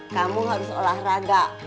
kamu harus olah raga